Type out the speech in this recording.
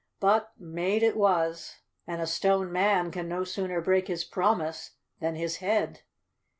But made it was, and a Stone Man can no sooner break his promise than his head.